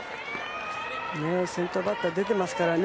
先頭バッターが出てますからね。